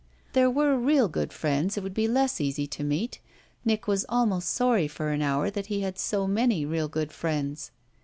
There were real good friends it would be less easy to meet Nick was almost sorry for an hour that he had so many real good friends.